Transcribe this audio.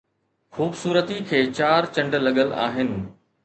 خوبصورتي کي چار چنڊ لڳل آهن